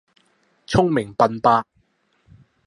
聰明笨伯